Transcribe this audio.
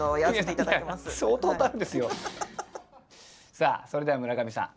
さあそれでは村上さん